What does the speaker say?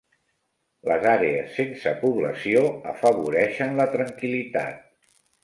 Les àrees sense població afavoreixen la tranquil·litat.